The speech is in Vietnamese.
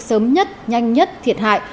sớm nhất nhanh nhất thiệt hại